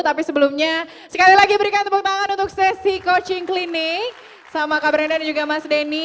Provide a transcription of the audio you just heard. tapi sebelumnya sekali lagi berikan tepuk tangan untuk sesi coaching klinik sama kak brenda dan juga mas denny